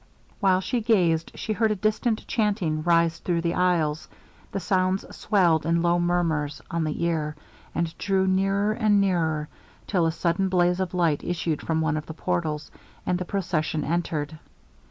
While she gazed, she heard a distant chanting rise through the aisles; the sounds swelled in low murmurs on the ear, and drew nearer and nearer, till a sudden blaze of light issued from one of the portals, and the procession entered.